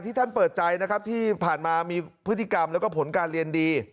ท่านเปิดใจนะครับที่ผ่านมามีพฤติกรรมแล้วก็ผลการเรียนดี